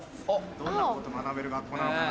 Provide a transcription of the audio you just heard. どんなこと学べる学校なのかな？